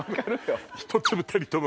ひと粒たりとも。